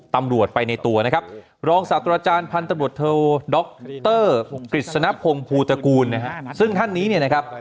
ท่านตำรวจโทรดรกฤษณพงษ์ภูตกูลซึ่งท่านนี้นะครับ